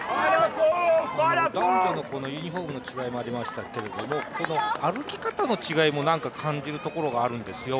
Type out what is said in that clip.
男女のユニフォームの違いもありましたけれども歩き方の違いも感じるところがあるんですよ。